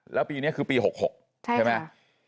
แล้วปีเนี้ยคือปีหกหกใช่ไหมใช่ค่ะ